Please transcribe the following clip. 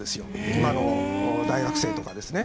今の大学生とかですね。